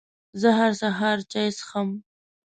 زه هر سهار چای څښم.